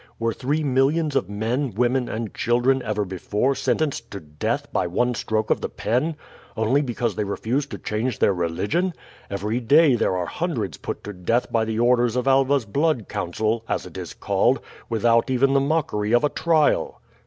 Were three millions of men, women, and children ever before sentenced to death by one stroke of the pen, only because they refused to change their religion? Every day there are hundreds put to death by the orders of Alva's Blood Council, as it is called, without even the mockery of a trial."